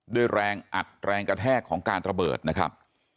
ด้วยแรงอัดแรงกระแทกของการระเบิดนะครับ